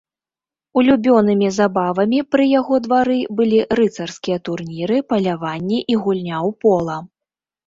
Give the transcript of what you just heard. Улюблёнымі забавамі пры яго двары былі рыцарскія турніры, паляванне і гульня ў пола.